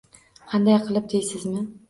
«Qanday qilib?» deysizmi?